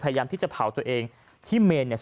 พยายามที่จะเผาตัวเองที่เมนเนี่ย